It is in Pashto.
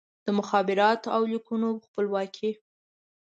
د مخابراتو او لیکونو خپلواکي